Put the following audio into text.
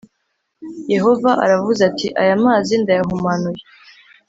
Yehova aravuze ati aya mazi ndayahumanuye